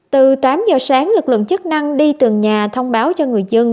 từ tám giờ sáng lực lượng chức năng đi từng nhà thông báo cho người dân